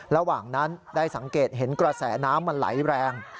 ระหว่างนั้นได้สังเกตเห็นกระแสน้ำมันไหลแรง